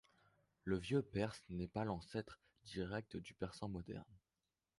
Le vieux perse n’est pas l’ancêtre direct du persan moderne.